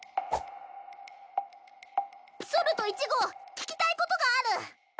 そると１号聞きたいことがある！